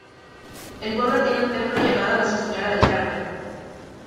El pueblo tiene un templo llamado Nuestra Señora del Carmen.